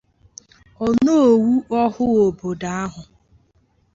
Onoowu ọhụụ obodo ahụ